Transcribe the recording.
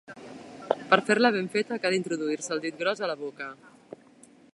Per fer-la ben feta cal introduir-se el dit gros a la boca.